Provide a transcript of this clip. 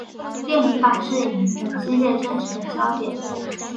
电影版是影迷们激烈争执的焦点。